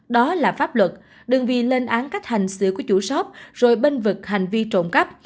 đó là pháp luật đừng vì lên án cách hành xử của chủ shop rồi bênh vực hành vi trộm cắp